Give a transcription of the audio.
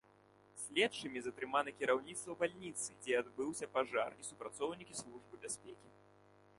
Следчымі затрымана кіраўніцтва бальніцы, дзе адбыўся пажар, і супрацоўнікі службы бяспекі.